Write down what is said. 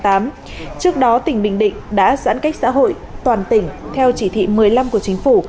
trước đó tỉnh bình định đã giãn cách xã hội toàn tỉnh theo chỉ thị một mươi năm của chính phủ